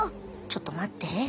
ちょっとまって。